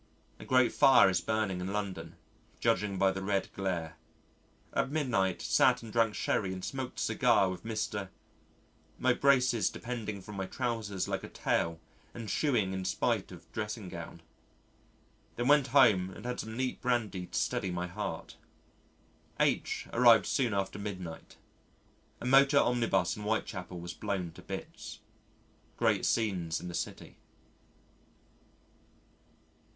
A great fire is burning in London, judging by the red glare. At midnight sat and drank sherry and smoked a cigar with Mr. , my braces depending from my trousers like a tail and shewing in spite of dressing gown. Then went home and had some neat brandy to steady my heart. H arrived soon after midnight. A motor omnibus in Whitechapel was blown to bits. Great scenes in the city.